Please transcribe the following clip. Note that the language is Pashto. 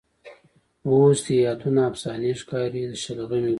اوس د یادونه افسانې ښکاري. د شلغمې ګله